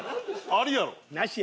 ありやろ！